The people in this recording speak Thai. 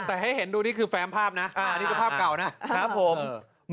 แต่ให้เห็นดูนี่คือแฟมภาพนะอันนี้คือภาพเก่านะครับผม